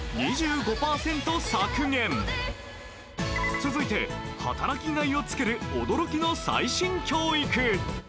続いて働きがいを作る驚きの最新教育。